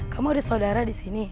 kamu ada saudara disini